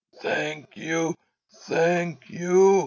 "Thank you! Thank you!"